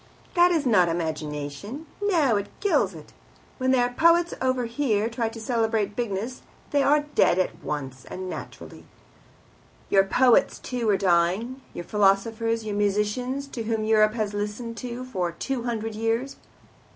That is not imagination. No, it kills it. When their poets over here try to celebrate bigness they are dead at once, and naturally. Your poets too are dying, your philosophers, your musicians, to whom Europe has listened for two hundred years.